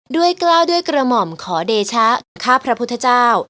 กล้าวด้วยกระหม่อมขอเดชะข้าพระพุทธเจ้า